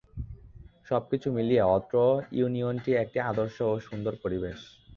সবকিছু মিলিয়ে অত্র ইউনিয়নটি একটি আদর্শ ও সুন্দর পরিবেশ।